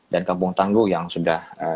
dan kampung tanggu yang sudah